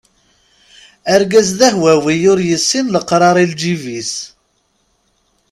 Argaz d ahwawi ur yessin leqrar i lǧib-is.